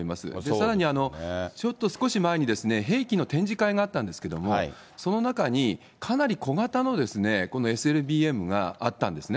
さらにちょっと少し前に、兵器の展示会があったんですけれども、その中に、かなり小型の、このＳＬＢＭがあったんですね。